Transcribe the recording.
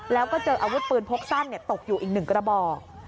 แล้วก็เจออาวุธปืนพกสั้นตกอยู่อีก๑กระบอก